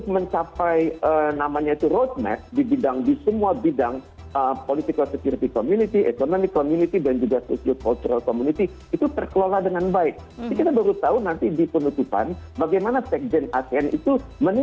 kita harus buktikan juga kepada dunia bahwa upaya kolektif asean ini kita harus buktikan juga kepada dunia bahwa upaya kolektif asean ini